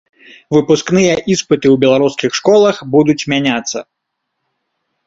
Выпускныя іспыты ў беларускіх школах будуць мяняцца.